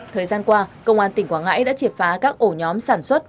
thời gian qua công an tỉnh quảng ngãi đã triệt phá các ổ nhóm sản xuất